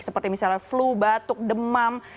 seperti misalnya flu batuk demam